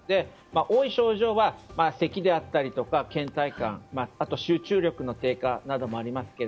多い症状はせきであったり、倦怠感あとは集中力の低下もあります。